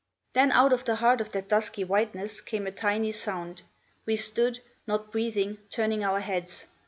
Then, out of the heart of that dusky whiteness, came a tiny sound; we stood, not breathing, turning our heads.